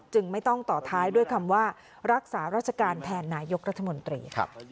ไม่ต้องต่อท้ายด้วยคำว่ารักษาราชการแทนนายกรัฐมนตรี